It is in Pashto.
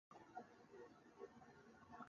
زه خو پښتون یم د مرک خونه ورانومه.